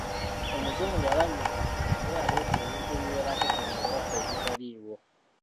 Omuzungu yalabibwa ng’eyaleeta ebintu ebiwerako kuno okwaffe ebitaaliwo.